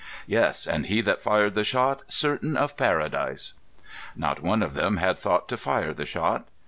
"Yes; and he that fired the shot certain of Paradise." Not one of them had thought to fire the shot.